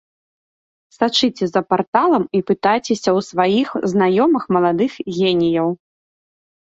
Сачыце за парталам і пытайцеся ў сваіх знаёмых маладых геніяў.